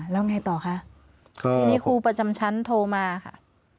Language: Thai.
แล้วไงต่อคะทีนี้ครูประจำชั้นโทรมาค่ะ